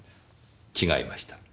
違いました。